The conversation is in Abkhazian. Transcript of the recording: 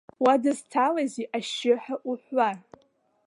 Уадызцалазеи, ашьшьыҳәа уҳәлар.